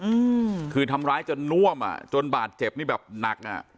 อืมคือทำร้ายจนน่วมอ่ะจนบาดเจ็บนี่แบบหนักอ่ะ